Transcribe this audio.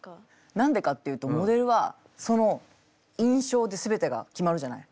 何でかっていうとモデルはその印象ですべてが決まるじゃない？